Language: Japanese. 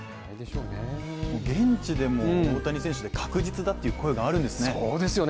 現地でも大谷選手で確実だという声があるんですね